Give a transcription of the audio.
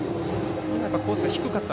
コースが低かった。